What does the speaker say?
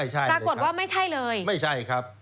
ปรากฏว่าไม่ใช่เลย